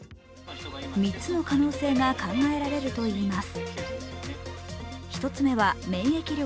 ３つの可能性が考えられるといいます。